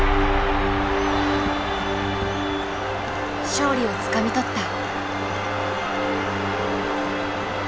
勝利をつかみ取った。